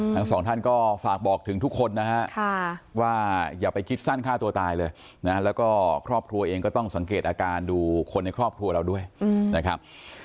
ทั้งสองท่านก็ฝากบอกถึงทุกคนนะฮะว่าอย่าไปคิดสั้นฆ่าตัวตายเลยนะแล้วก็ครอบครัวเองก็ต้องสังเกตอาการดูคนในครอบครัวเราด้วยนะครับ